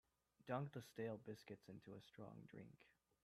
Dunk the stale biscuits into strong drink.